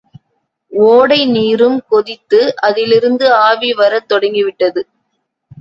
ஓடை நீரும் கொதித்து, அதிலிருந்து ஆவி வரத் தொடங்கிவிட்டது!